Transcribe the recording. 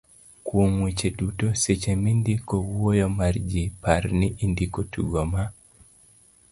kuom weche duto, seche mindiko wuoyo mar ji, par ni indiko tugo ma